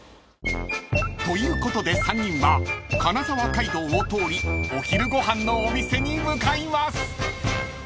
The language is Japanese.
［ということで３人は金沢街道を通りお昼ご飯のお店に向かいます］